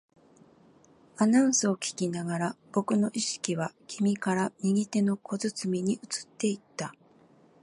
アナウンスを聞きながら、僕の意識は君から右手の小包に移っていった